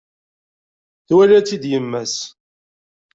Twala-tt-id yemma-s.